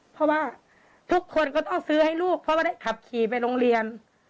เพราะว่าทุกคนก็ต้องซื้อให้ลูกเพราะว่าได้ขับขี่ไปโรงเรียน